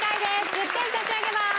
１０点差し上げます。